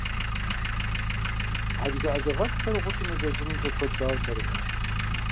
Адыгэ ӀэщӀагъэлӀхэр гъущӀым елэжьынымкӀэ куэд щӀауэ цӀэрыӀуэщ.